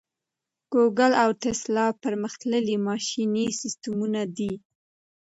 ګوګل او ټیسلا پرمختللي ماشیني سیسټمونه دي.